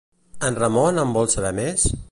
En Ramon en vol saber més?